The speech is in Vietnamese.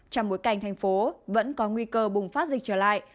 trong bối cảnh thành phố vẫn có nguy cơ bùng phát dịch trở lại